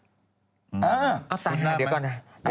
เอ้อออเอ้าเสียแหละ